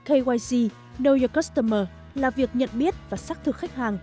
ekyc know your customer là việc nhận biết và xác thực khách hàng